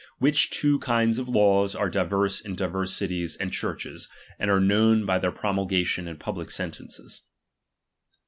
Which two kinds of laws are divers in divers cities and Churches, and are known by their promulgation and public sentences.